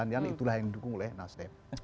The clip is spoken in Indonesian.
saya ingin mendukung oleh nasdem